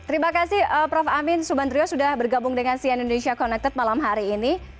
terima kasih prof amin subandrio sudah bergabung dengan cn indonesia connected malam hari ini